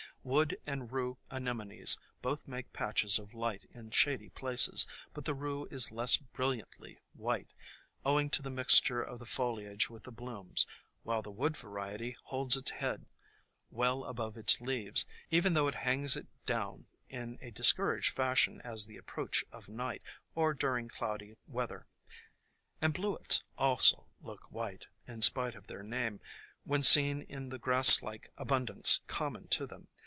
Wood and Rue Anemones both make patches of light in shady places, but the Rue is less brilliantly white, owing to the mixture of the foliage with the blooms, while the Wood variety holds its head well above its leaves, even though it hangs it down in a discouraged fashion at the approach of night or during cloudy weather; and Bluets also look white, 28 THE COMING OF SPRING in spite of their name, when seen in the grass like abundance common to them.